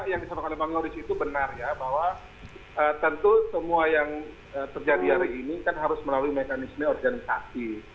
yang disampaikan oleh bang yoris itu benar ya bahwa tentu semua yang terjadi hari ini kan harus melalui mekanisme organisasi